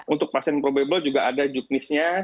untuk pasien probable juga ada juknisnya